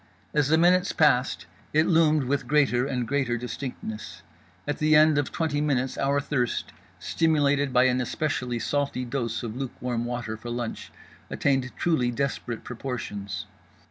As the minutes passed, it loomed with greater and greater distinctness. At the end of twenty minutes our thirst—stimulated by an especially salty dose of lukewarm water for lunch—attained truly desperate proportions.